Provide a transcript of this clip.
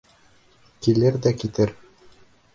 Килер ҙә китер.